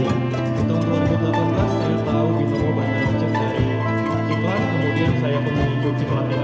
dua ribu sembilan belas untuk konten youtube sampai saya dikatakan sampai sekarang dari awal tidak pernah ada